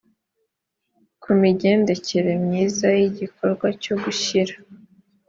ku migendekere myiza y igikorwa cyo gushyira